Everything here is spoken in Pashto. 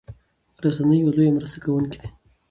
رسنۍ يو لويه مرسته کوونکي دي